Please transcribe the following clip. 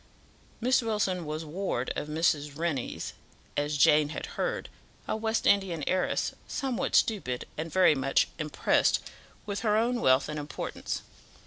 Miss Wilson was ward of Mrs. Rennie's, as Jane had heard, a West Indian heiress, somewhat stupid, and very much impressed with her own wealth and importance.